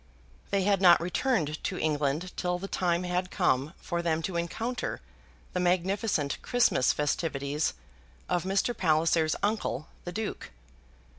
They had not returned to England till the time had come for them to encounter the magnificent Christmas festivities of Mr. Palliser's uncle, the Duke.